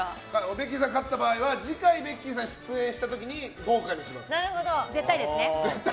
ベッキーさんが勝った場合は次回ベッキーさん出演した場合に絶対ですね？